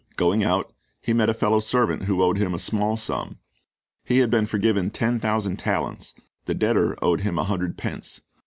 Going out, he met a fellow servant who owed him a small sum. He had been forgiven ten thousand talents, the debtor owed him a hundred pence.